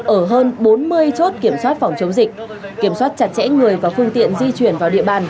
ở hơn bốn mươi chốt kiểm soát phòng chống dịch kiểm soát chặt chẽ người và phương tiện di chuyển vào địa bàn